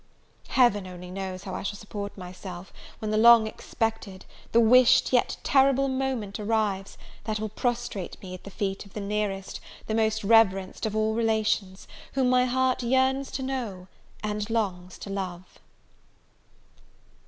Heaven only knows how I shall support myself, when the long expected the wished yet terrible moment arrives, that will prostrate me at the feet of the nearest, the most reverenced of all relations, whom my heart yearns to know, and longs to love!